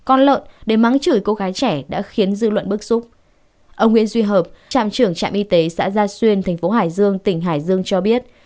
ông nguyễn duy hợp trạm trưởng trạm y tế xã gia xuyên tp hcm tỉnh hải dương cho biết